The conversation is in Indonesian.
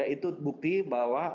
itu bukti bahwa